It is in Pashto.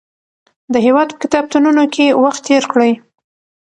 د هېواد په کتابتونونو کې وخت تېر کړئ.